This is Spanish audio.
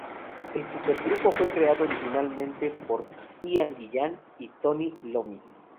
El supergrupo fue creado originalmente por Ian Gillan y Tony Iommi.